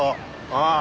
ああ。